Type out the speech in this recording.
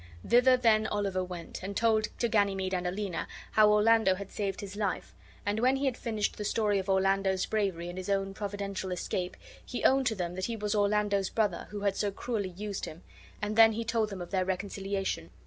Thither then Oliver went, and told to Ganymede and Aliena how Orlando had saved his life; and when he had finished the story of Orlando's bravery and his own providential escape he owned to them that he was Orlando's brother who had so cruelly used him; and then be told them of their reconciliation.